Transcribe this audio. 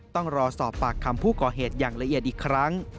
ต้องรอสอบปากคำผู้ก่อเหตุอย่างละเอียดอีกครั้ง